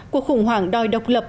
cuộc khủng hoảng đòi độc lập